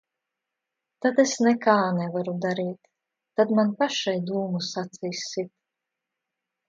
Tad es nekā nevaru darīt. Tad man pašai dūmus acīs sit.